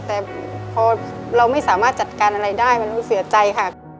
แต่พอเราไม่สามารถจัดการอะไรได้มันรู้สึกเสียใจค่ะ